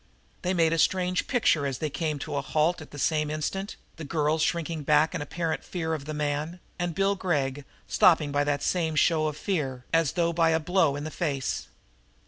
They made a strange picture as they came to a halt at the same instant, the girl shrinking back in apparent fear of the man, and Bill Gregg stopping by that same show of fear, as though by a blow in the face.